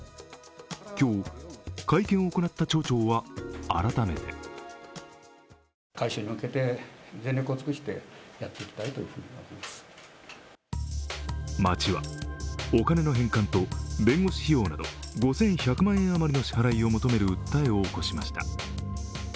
今日、会見を行った町長は改めて町はお金の返還と弁護士費用など５１００万円余りの支払いを求める訴えを起こしました。